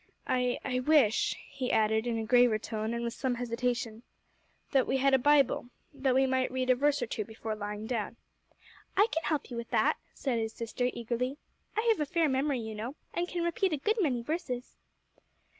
I I wish," he added, in a graver tone, and with some hesitation, "that we had a Bible, that we might read a verse or two before lying down." "I can help you in that," said his sister, eagerly. "I have a fair memory, you know, and can repeat a good many verses."